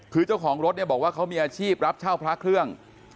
คือเจ้าของรถเนี่ยบอกว่าเขามีอาชีพรับเช่าพระเครื่อง